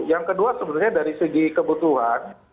yang kedua sebenarnya dari segi kebutuhan